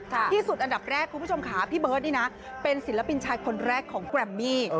ที่สุดอันดับแรกคุณผู้ชมค่ะพี่เบิร์ตนี่นะเป็นศิลปินชายคนแรกของแกรมมี่